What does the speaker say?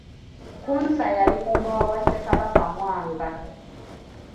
Kkunsa yali mumbowa wa Ssekabaka Mwanga.